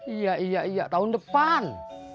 iya iya tahun depan